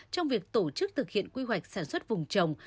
trong việc tổ chức thực hiện quy hoạch sản xuất vùng trồng